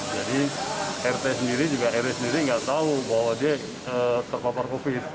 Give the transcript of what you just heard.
jadi rt sendiri juga ru sendiri nggak tahu bahwa dia terpapar covid